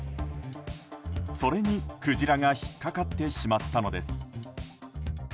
それにクジラが引っかかってしまったのです。